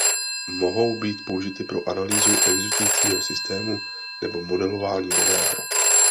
Mohou být použity pro analýzu existujícího systému nebo modelování nového.